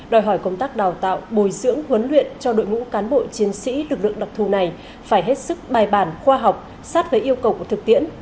đòi hỏi công tác đào tạo bồi dưỡng huấn luyện cho đội ngũ cán bộ chiến sĩ lực lượng đặc thù này phải hết sức bài bản khoa học sát với yêu cầu của thực tiễn